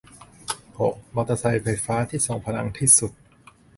หก มอเตอร์ไซค์ไฟฟ้าที่ทรงพลังที่สุด